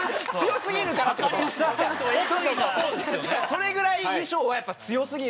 それぐらい衣装がやっぱ強すぎるって事。